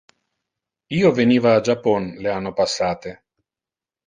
Io veniva a Japon le anno passate.